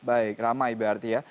baik ramai berarti ya